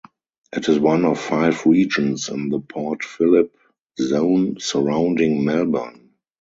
It is one of five regions in the Port Philip zone surrounding Melbourne.